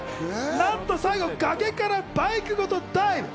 なんと最後、崖からバイクごとダイブ！